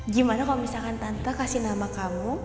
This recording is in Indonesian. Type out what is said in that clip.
gimana kalau misalkan tante kasih nama kamu